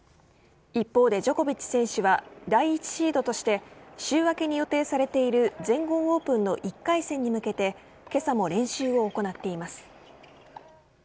一方でジョコビッチ選手は第１シードとして週明けに予定されている全豪オープンの１回戦に向けて今朝も練習を行っています。